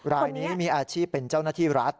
รายนี้มีอาชีพเป็นเจ้าหน้าที่รัฐ